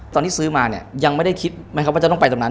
ตอนที่ซื้อมายังไม่ได้คิดว่าจะต้องไปตรงนั้น